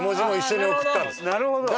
なるほど。